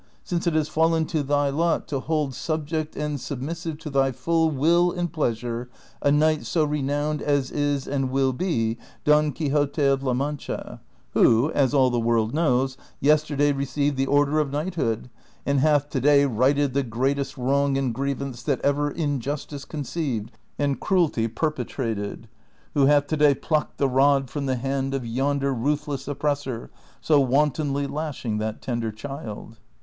since it has fallen to thy lot to hold subject and submissive to thy full will and pleasure a knight so renowned as is and will be Don Quixote of La Man clia, who, as all the world knows, yesterday received the order of knighthood, and hath to day righted the greatest wrong and grievance that ever injustice conceived and cruelty perpe trated : who hath to day plucked the rod from the hand of yonder ruthless oppressor so wantonly lashing that tender child."